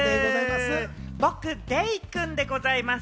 僕、デイくんでございます。